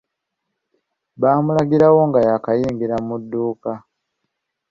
Baamulagirawo nga yaakayingira mu dduuka.